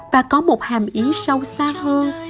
và có một hàm ý sâu xa hơn đó